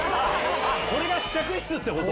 これが試着室ってこと⁉